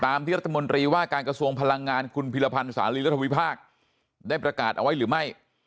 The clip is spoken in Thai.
ที่รัฐมนตรีว่าการกระทรวงพลังงานคุณพิรพันธ์สาลีรัฐวิพากษ์ได้ประกาศเอาไว้หรือไม่